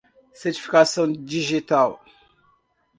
Certificação digital